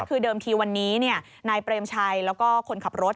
คือเดิมทีวันนี้นายเปรมชัยแล้วก็คนขับรถ